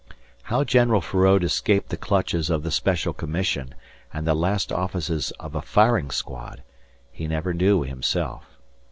How General Feraud escaped the clutches of the Special Commission and the last offices of a firing squad, he never knew himself.